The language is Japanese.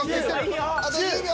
あと１０秒。